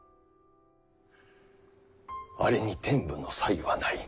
あれに天賦の才はない。